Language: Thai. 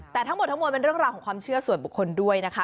แต่ทั้งหมดทั้งมวลเป็นเรื่องราวของความเชื่อส่วนบุคคลด้วยนะคะ